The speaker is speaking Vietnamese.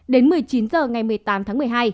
đến một mươi chín h ngày một mươi tám tháng một mươi hai